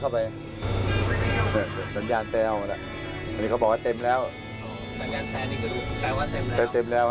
อ๋อแปลงการแทนอีกกระดูกแปลงว่าเต็มแล้ว